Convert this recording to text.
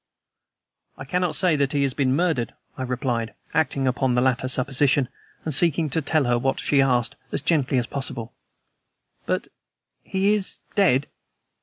"I cannot say that he has been murdered," I replied, acting upon the latter supposition, and seeking to tell her what she asked as gently as possible. "But he is Dead?"